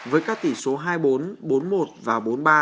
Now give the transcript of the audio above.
với các tỷ số hai mươi bốn bốn mươi một và bốn mươi ba